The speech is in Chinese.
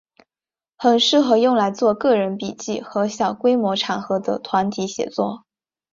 很适合用来做个人笔记和小规模场合的团体写作。